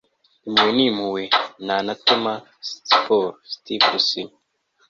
impuhwe n'impuhwe ni anatema siporo. - steve rushin